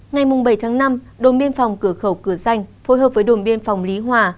ngày bảy tháng năm đồn biên phòng cửa khẩu cửa danh phối hợp với đồn biên phòng lý hòa